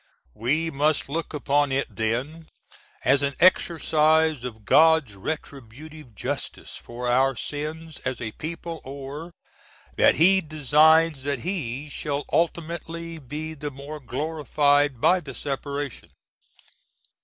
We must look upon it then as an exercise of God's retributive justice for our Sins as a people, or, that He designs that He shall ultimately be the more glorified by the separation.